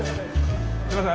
すみません。